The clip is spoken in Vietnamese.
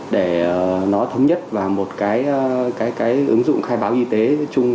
để nó thống nhất vào một cái ứng dụng khai báo y tế chung